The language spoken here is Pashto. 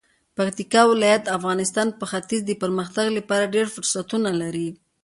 پکتیکا ولایت د افغانستان په ختیځ کې د پرمختګ لپاره ډیر فرصتونه لري.